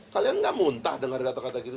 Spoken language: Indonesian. kalian gak muntah dengar kata kata gitu